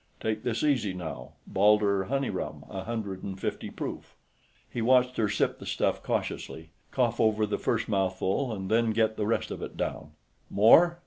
"Take this easy, now; Baldur honey rum, a hundred and fifty proof." He watched her sip the stuff cautiously, cough over the first mouthful, and then get the rest of it down. "More?"